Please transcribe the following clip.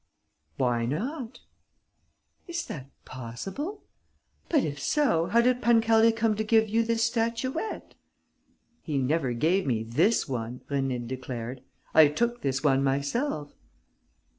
"Why not?" "Is that possible? But, if so, how did Pancaldi come to give you this statuette?" "He never gave me this one," Rénine declared. "I took this one myself."